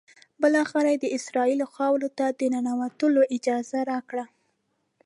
بالآخره یې د اسرائیلو خاورې ته د ننوتلو اجازه راکړه.